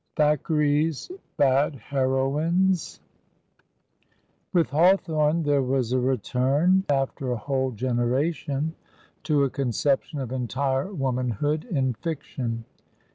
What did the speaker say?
THACKERAY'S BAD HEROINES WITH Hawthorne there was a return, after a whole generation, to a conception of entire womanhood in fiction.